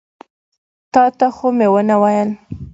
تا ته خو مې ونه ویل.